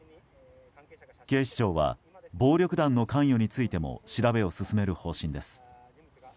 警視庁は暴力団の関与についても調べを進める方針です。